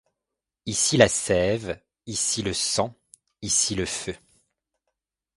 Ici la sève, ici le sang, ici le feu ;